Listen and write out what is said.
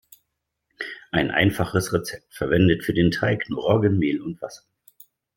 Ein einfaches Rezept verwendet für den Teig nur Roggenmehl und Wasser.